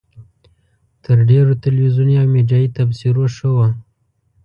تر ډېرو تلویزیوني او میډیایي تبصرو ښه وه.